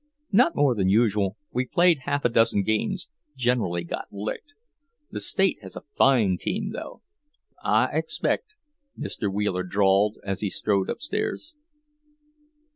"Not more than usual. We played half a dozen games; generally got licked. The State has a fine team, though." "I ex pect," Mr. Wheeler drawled as he strode upstairs.